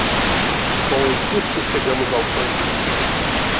Com o susto chegamos ao campo.